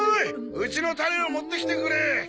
うちのタレを持ってきてくれ！